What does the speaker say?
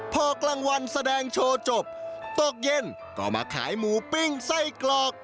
พอกลางวันแสดงโชว์จบตกเย็นก็มาขายหมูปิ้งไส้กรอก